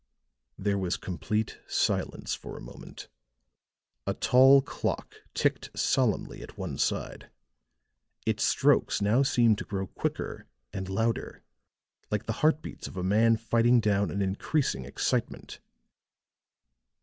There was complete silence for a moment; a tall clock ticked solemnly at one side; its strokes now seemed to grow quicker and louder, like the heart beats of a man fighting down an increasing excitement.